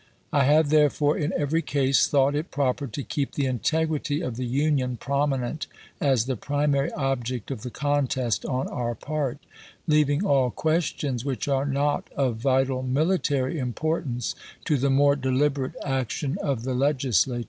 I have, therefore, in every case, thought it proper to keep the integrity of the Union prominent as the primary object of the contest on our part, leaving all questions which are not of vital military importance to the more deliberate action of the Legisla ture.